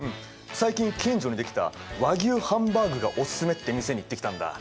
最近近所に出来た和牛ハンバーグがオススメって店に行ってきたんだ。